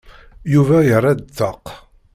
Yuba yerra-d ṭṭaq.